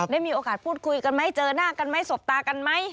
ได้มีโอกาสพูดคุยกันไหมเจอหน้ากันไหมสบตากันไหม